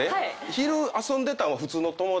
昼遊んでたんは普通の友達？